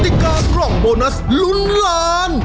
ติกากล่องโบนัสลุ้นล้าน